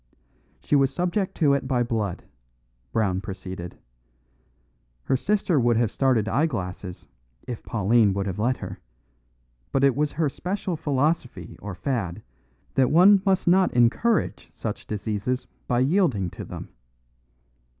"She was subject to it by blood," Brown proceeded. "Her sister would have started eyeglasses if Pauline would have let her; but it was her special philosophy or fad that one must not encourage such diseases by yielding to them.